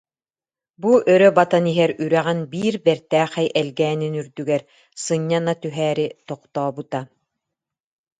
Бу өрө батан иһэр үрэҕин биир бэртээхэй элгээнин үрдүгэр сынньана түһээри тохтообута